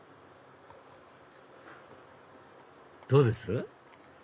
どうです？